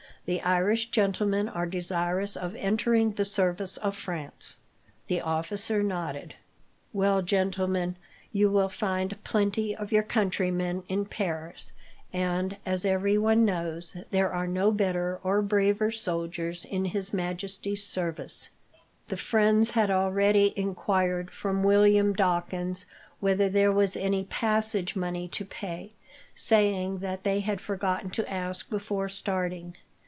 The Irish gentlemen are desirous of entering the service of France." The officer nodded. "Well, gentlemen, you will find plenty of your countrymen in Paris; and, as everyone knows, there are no better or braver soldiers in His Majesty's service." The friends had already enquired, from William Dawkins, whether there was any passage money to pay, saying that they had forgotten to ask before starting.